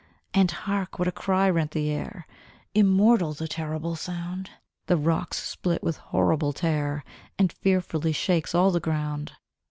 And hark! what a cry rent the air! Immortal the terrible sound! The rocks split with honible tear, And fearfully shakes all the ground!